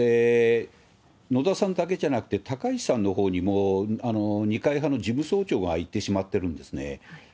野田さんだけじゃなくて、高市さんのほうにも、二階派の事務総長が行ってしまっているんですね。